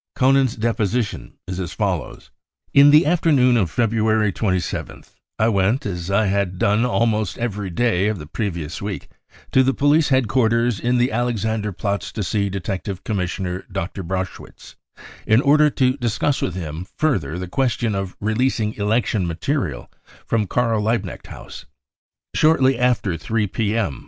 *Koenen's deposition is as follows :« 44 In the afternoon of February 27th I went, as I had done almost every day the previous week, to the police head quarters in the Alexanderplatz to see Detective Commis sioner Dr. Braschwitz, in order to discuss with him further the question of releasing election material from Karl Liebknecht House. Shortlf after 3 p.m.